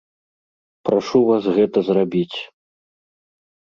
Прашу вас гэта зрабіць.